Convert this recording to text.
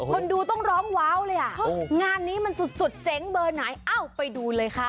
คนดูต้องร้องว้าวเลยอ่ะงานนี้มันสุดเจ๋งเบอร์ไหนเอ้าไปดูเลยค่ะ